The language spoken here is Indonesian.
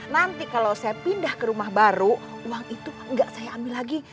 nanti kalau saya pindah ke rumah baru uang itu nggak saya ambil lagi